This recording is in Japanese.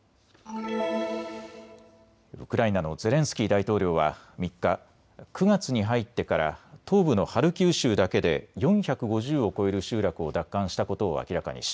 ウクライナのゼレンスキー大統領は３日、９月に入ってから東部のハルキウ州だけで４５０を超える集落を奪還したことを明らかにし